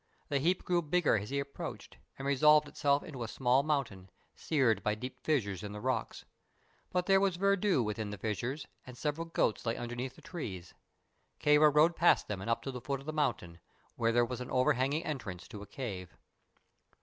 The heap grew bigger as he approached, and resolved itself into a small mountain, seared by deep fissures in the rocks. But there was verdure within the fissures, and several goats lay underneath the trees. Kāra rode past them and up to the foot of the mountain, where there was an overhanging entrance to a cave.